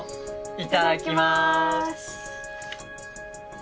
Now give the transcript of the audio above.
いただきます。